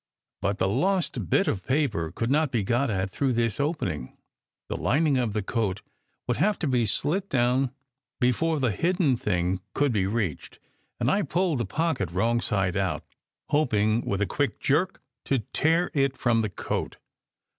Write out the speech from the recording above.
But the lost bit of paper could not be got at through this opening. The lining of the coat would have to be slit down before the hidden thing could be reached, and I pulled the pocket wrong side out, hoping with a quick jerk to tear it from the coat.